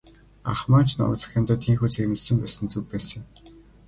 Ах маань ч намайг захиандаа тийнхүү зэмлэсэн байсан нь зөв байсан юм.